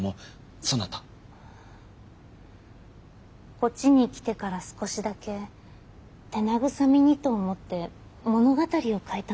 こっちに来てから少しだけ手慰みにと思って物語を書いたの。